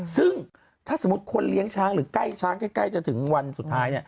ซึ่งถ้าสมมุติคนเลี้ยงช้างหรือใกล้ช้างใกล้จะถึงวันสุดท้าย